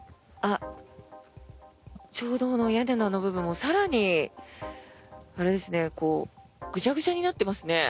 ちょうど屋根の部分も、更にぐしゃぐしゃになってますね。